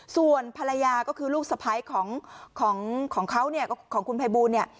ส่วนภรรยาก็คือลูกสะพ้ายของเขาเนี่ยของคุณภัยบูลเนี่ย